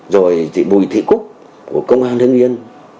rồi chị bùi thị cúc của công an hưng yên